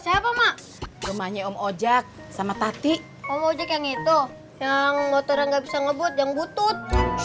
ini rumahnya om ojak sama tati yang itu yang motor nggak bisa ngebut yang butut